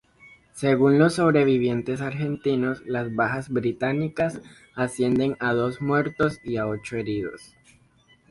Según los sobrevivientes argentinos, las bajas británicas ascienden a dos muertos y ocho heridos.